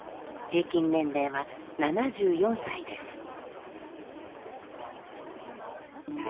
平均年齢は７４歳です。